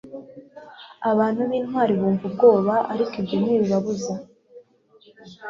Abantu bintwari bumva ubwoba ariko ibyo ntibibabuza